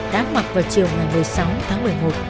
đã mặc vào chiều ngày một mươi sáu tháng một mươi một